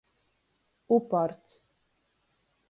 Uparts.